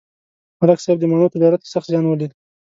ملک صاحب د مڼو تجارت کې سخت زیان ولید.